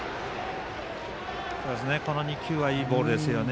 この２球はいいボールですね。